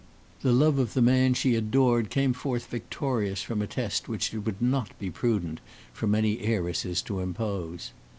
The love of the man she adored came forth victorious from a test which it would not be prudent for many heiresses to impose.